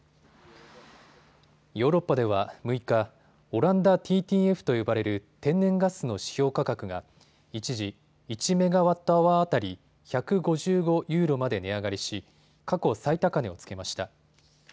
ヨーロッパでは６日、オランダＴＴＦと呼ばれる天然ガスの指標価格が一時、１メガワットアワー当たり１５５ユーロまで値上がりし過去最高値をつけました。